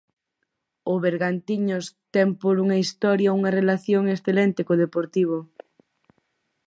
O Bergantiños ten por unha historia unha relación excelente co Deportivo.